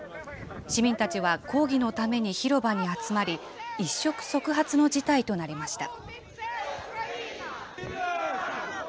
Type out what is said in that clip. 市民たちは抗議のために広場に集まり、一触即発の事態となりました。